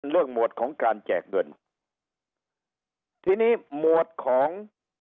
หมวดของการแจกเงินทีนี้หมวดของ